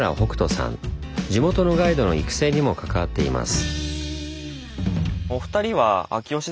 地元のガイドの育成にも関わっています。